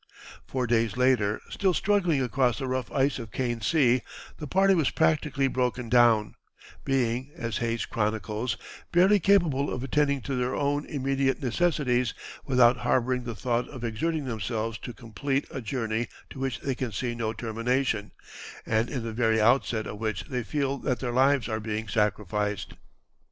Four days later, still struggling across the rough ice of Kane Sea, the party was practically broken down, being, as Hayes chronicles, "barely capable of attending to their own immediate necessities without harboring the thought of exerting themselves to complete a journey to which they can see no termination, and in the very outset of which they feel that their lives are being sacrificed."